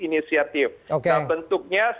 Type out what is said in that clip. inisiatif nah bentuknya